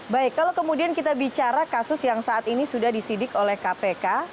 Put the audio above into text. baik kalau kemudian kita bicara kasus yang saat ini sudah disidik oleh kpk